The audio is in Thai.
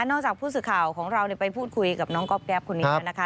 จากผู้สื่อข่าวของเราไปพูดคุยกับน้องก๊อบแป๊บคนนี้แล้วนะคะ